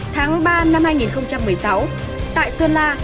tháng ba năm hai nghìn một mươi sáu tại sơn la